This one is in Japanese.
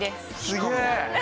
すげえ！